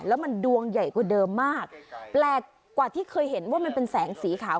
แล้วมันดวงใหญ่กว่าเดิมมากแปลกกว่าที่เคยเห็นว่ามันเป็นแสงสีขาว